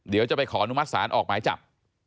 เดี๋ยวจะไปขออนุมัติศาลออกหมายจับ